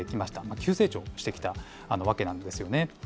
急成長してきたわけなんですよね。